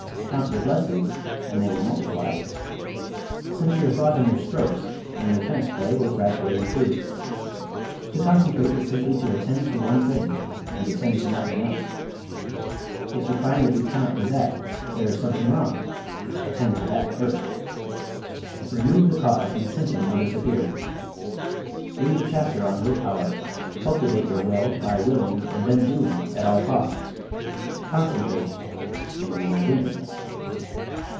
"Count your blessings" and they will multiply. Center your thought on your strokes and your tennis play will gradually improve. To concentrate is simply to attend to one thing, and attend to nothing else. If you find that you cannot do that, there is something wrong attend to that first. Remove the cause and the symptom will disappear. Read the chapter on "Will Power." Cultivate your will by willing and then doing, at all costs. Concentrate and you will win.